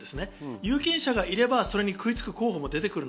有権者がいればそこに食いつく候補も出てくる。